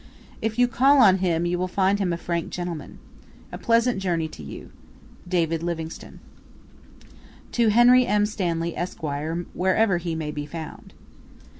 If you call on him you will find him a frank gentleman. A pleasant journey to you. David Livingstone. To Henry M. Stanley, Esq., Wherever he may be found.